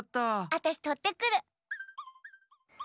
あたしとってくる！